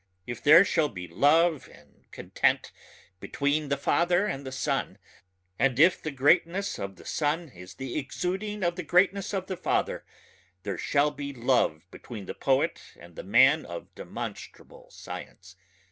If there shall be love and content between the father and the son and if the greatness of the son is the exuding of the greatness of the father there shall be love between the poet and the man of demonstrable science.